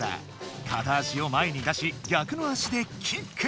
かた足を前に出しぎゃくの足でキック！